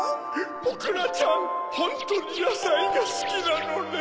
おくらちゃんホントにやさいがすきなのね。